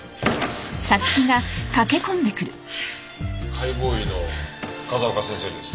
解剖医の風丘先生ですか？